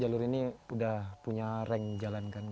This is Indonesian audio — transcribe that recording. jalur ini sudah punya rang jalankan